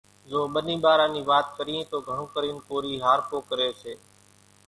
زو ٻنِي ٻار نِي وات ڪريئين تو گھڻون ڪرينَ ڪورِي هارپو ڪريَ سي۔